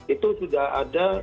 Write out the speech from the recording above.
itu sudah ada